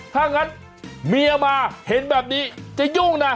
ถ้างั้นเมียมาเห็นแบบนี้จะยุ่งนะ